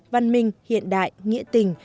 văn minh hiện đại nghĩa tình